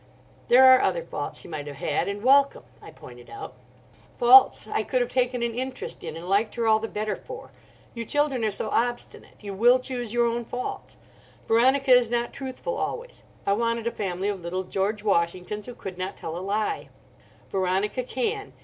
"There are other faults she might have had and welcome," I pointed out; "faults I could have taken an interest in and liked her all the better for. You children are so obstinate. You will choose your own faults. Veronica is not truthful always. I wanted a family of little George Washingtons, who could not tell a lie. Veronica can.